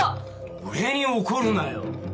俺に怒るなよ。